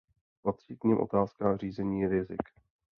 Patří k nim otázka řízení rizik.